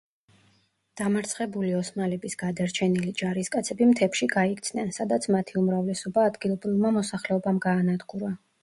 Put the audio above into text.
დამარცხებული ოსმალების გადარჩენილი ჯარისკაცები მთებში გაიქცნენ, სადაც მათი უმრავლესობა ადგილობრივმა მოსახლეობამ გაანადგურა.